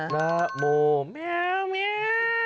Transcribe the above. น้าโมเม้าเมี๊ย